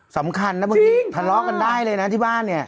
สำคัญนะบางทีทะเลาะกันได้เลยนะที่บ้านเนี่ย